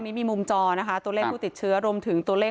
ไม่ให้กำลังใจไม่ต้องถามเลย